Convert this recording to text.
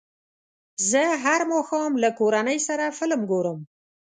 زه هر ماښام له کورنۍ سره فلم ګورم.